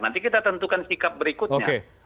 nanti kita tentukan sikap berikutnya